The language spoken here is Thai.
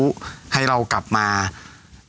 ครับก็จากงานสับปะเหลอโลกสับปะเหลอโลก